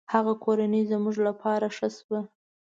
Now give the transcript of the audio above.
هغه کورنۍ زموږ له پاره ښه شوه.